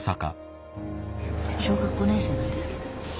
小学５年生なんですけど。